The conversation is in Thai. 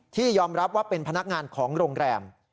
ยอมรับว่าเป็นพนักงานของโรงแรม